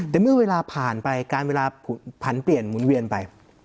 แต่เมื่อเวลาผ่านไปการเวลาผันเปลี่ยนหมุนเวียนไป